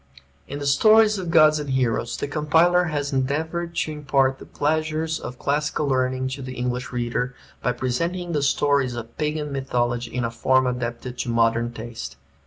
In the "Stories of Gods and Heroes" the compiler has endeavored to impart the pleasures of classical learning to the English reader, by presenting the stories of Pagan mythology in a form adapted to modern taste.